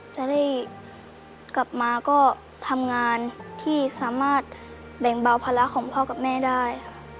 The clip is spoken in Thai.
จะได้กลับมาก็ทำงานที่สามารถแบ่งเบาภาระของพ่อกับแม่ได้ค่ะ